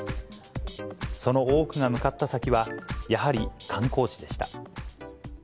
その多くが向かった先は、やはり観光地でした。